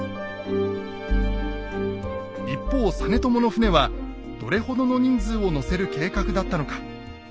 一方実朝の船はどれほどの人数を乗せる計画だったのか。